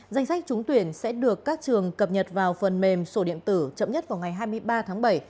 danh sách trúng tuyển sẽ được các trường cập nhật vào phần mềm sổ điện tử chậm nhất vào ngày hai mươi ba tháng bảy